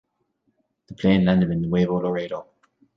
The plane landed in Nuevo Laredo.